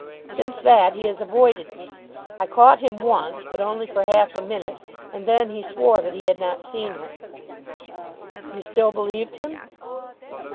Since that he has avoided me. I caught him once but only for half a minute, and then he swore that he had not seen her." "You still believed him?"